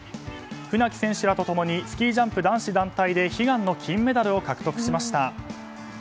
船木選手らとともにスキージャンプ男子団体で悲願の金メダルを獲得しました。